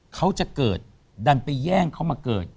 เขาจะเกิดดันไปแย่งเขามาเกิด